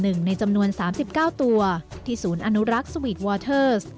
ในจำนวน๓๙ตัวที่ศูนย์อนุรักษ์สวีทวอเทอร์ส